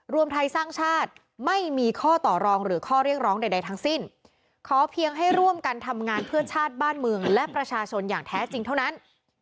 รวมไทยสร้างชาติไม่มีข้อต่อรองหรือข้อเรียกร้องใดทั้งสิ้นขอเพียงให้ร่วมกันทำงานเพื่อชาติบ้านเมืองและประชาชนอย่างแท้จริงเท่านั้น